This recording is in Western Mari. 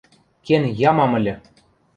Кен ямам ыльы!